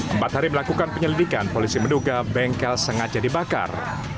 empat hari melakukan penyelidikan polisi menduga bengkel sengaja dibakar